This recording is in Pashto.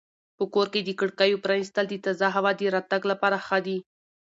په کور کې د کړکیو پرانیستل د تازه هوا د راتګ لپاره ښه دي.